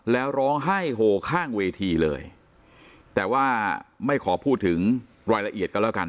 แล้วร้องไห้โหข้างเวทีเลยแต่ว่าไม่ขอพูดถึงรายละเอียดกันแล้วกัน